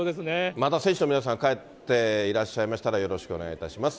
また選手の皆さん、帰っていらっしゃいましたら、よろしくお願いいたします。